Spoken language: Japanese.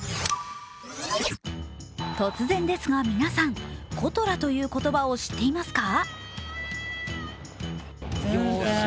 突然ですが皆さん、「ことら」という言葉を知っていますか？